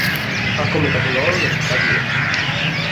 Ha come capoluogo la città di Et.